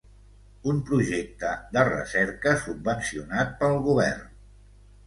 Un projecte de recerca subvencionat pel govern.